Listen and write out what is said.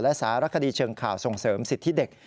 และสารคดีเชิงข่าวส่งเสริมสิทธิเด็ก